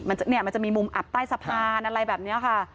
เนี่ยมันจะมีมุมอับใต้สะพานอะไรแบบนี้ค่ะ